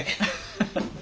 ハハハ。